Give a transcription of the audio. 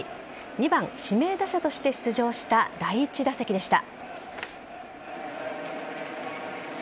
２番・指名打者として出場した第１打席でした。